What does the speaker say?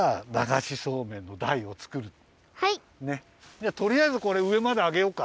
じゃあとりあえずこれうえまであげようか。